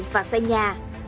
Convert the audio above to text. và xây nhà